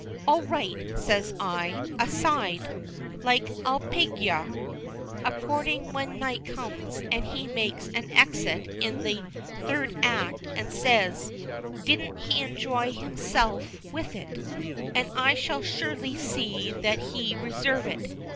"All right," says I, "aside" like, "I'll pig yer." Accordin', when night comes, and he makes an exit in the third act, and says didn't he enjoy hisself with it "And I shall surely see that they reseve it!"